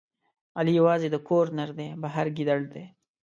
علي یوازې د کور نردی، بهر ګیدړ دی.